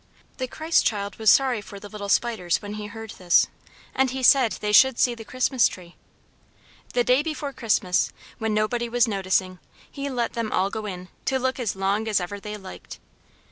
The Christ child was sorry for the little spiders when he heard this, and he said they should see the Christmas Tree. The day before Christmas, when nobody was noticing, he let them all go in, to look as long as ever they liked.